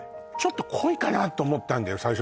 ちょっと濃いかなと思ったんだよ